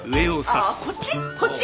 あーこっち？